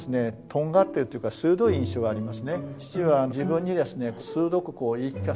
とんがってるというか鋭い印象がありますね。